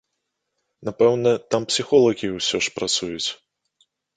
Напэўна, там псіхолагі ўсё ж працуюць.